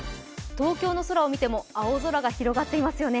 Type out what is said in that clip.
東京の空を見ても、青空が広がっていますね。